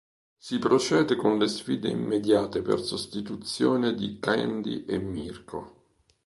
Si procede con le sfide immediate per sostituzione di Kandy e Mirko.